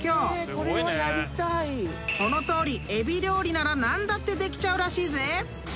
［そのとおりえび料理なら何だってできちゃうらしいぜ］